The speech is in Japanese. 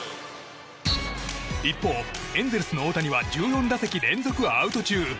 一方、エンゼルスの大谷は１４打席連続アウト中。